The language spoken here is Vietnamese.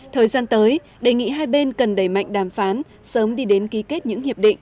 thời gian tới đề nghị hai bên cần đẩy mạnh đàm phán sớm đi đến ký kết những hiệp định